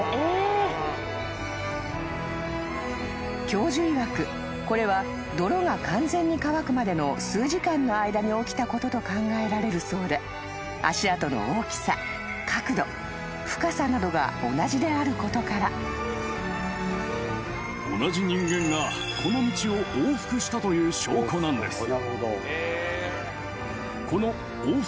［教授いわくこれは泥が完全に乾くまでの数時間の間に起きたことと考えられるそうで足跡の大きさ角度深さなどが同じであることから］という証拠なんです。